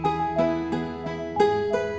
bumbu nggak apa apa kum